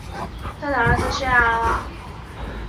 他的儿子是亚拉瓦。